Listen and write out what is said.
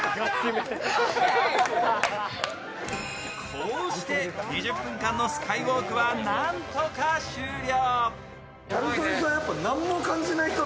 こうして２０分間のスカイウォークは何とか終了。